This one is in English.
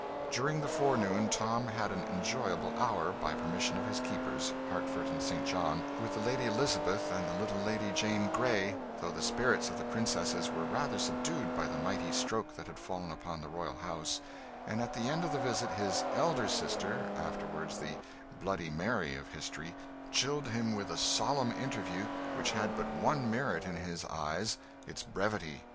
During the forenoon, Tom had an enjoyable hour, by permission of his keepers, Hertford and St. John, with the Lady Elizabeth and the little Lady Jane Grey; though the spirits of the princesses were rather subdued by the mighty stroke that had fallen upon the royal house; and at the end of the visit his 'elder sister' afterwards the 'Bloody Mary' of history chilled him with a solemn interview which had but one merit in his eyes, its brevity.